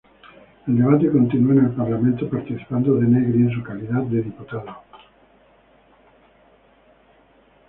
El debate continuó en el parlamento, participando Denegri en su calidad de diputado.